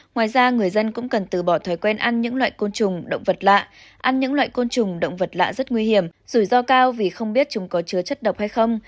ngoài ra người dân cũng cần từ bỏ thói quen ăn những loại côn trùng động vật lạ ăn những loại côn trùng động vật lạ rất nguy hiểm rủi ro cao vì không biết chúng có chứa chất độc hay không